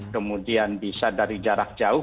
kemudian bisa dari jarak jauh